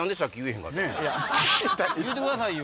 言うてくださいよ。